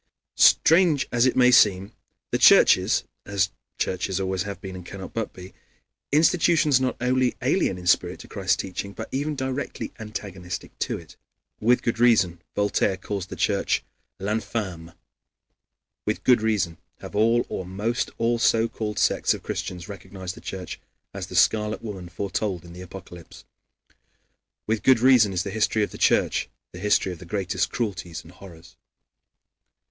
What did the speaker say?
Strange as it may seem, the churches as churches have always been, and cannot but be, institutions not only alien in spirit to Christ's teaching, but even directly antagonistic to it. With good reason Voltaire calls the Church l'infâme; with good reason have all or almost all so called sects of Christians recognized the Church as the scarlet woman foretold in the Apocalypse; with good reason is the history of the Church the history of the greatest cruelties and horrors.